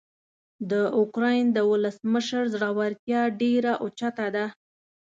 د اوکراین د ولسمشر زړورتیا ډیره اوچته ده.